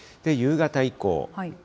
夕方以降。